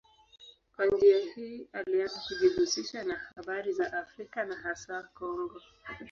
Kwa njia hii alianza kujihusisha na habari za Afrika na hasa Kongo.